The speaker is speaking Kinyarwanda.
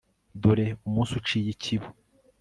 dore umunsi uciye ikibu